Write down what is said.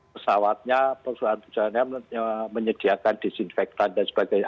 pesawatnya perusahaan perusahaannya menyediakan disinfektan dan sebagainya